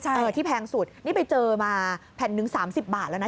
ใช่ที่แพงสุดนี่ไปเจอมาแผ่นหนึ่ง๓๐บาทแล้วนะ